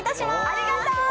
ありがとう！